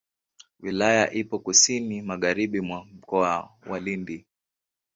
Wilaya ipo kusini magharibi mwa Mkoa wa Lindi.